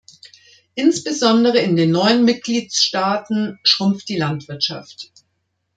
Insbesondere in den neuen Mitgliedstaaten schrumpft die Landwirtschaft.